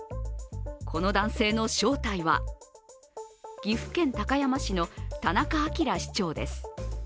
この男性の正体は岐阜県高山市の田中明市長です。